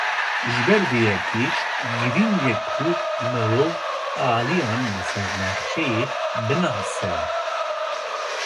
Ji ber vê yekê, girîng e ku mirov aliyan li ser nexşeyê binase.